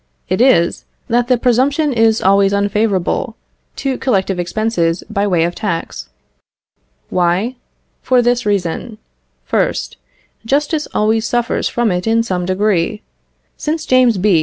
It is, that the presumption is always unfavourable to collective expenses by way of tax. Why? For this reason: First, justice always suffers from it in some degree. Since James B.